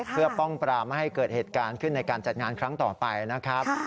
เพื่อป้องปรามไม่ให้เกิดเหตุการณ์ขึ้นในการจัดงานครั้งต่อไปนะครับ